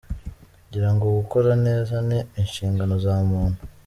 Ngirango gukora neza ni inshingano za muntu.